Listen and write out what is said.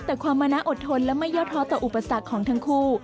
แต่ความมะนาอดทนและไม่ย่อท้อต่ออุปสรรคของทั้งคู่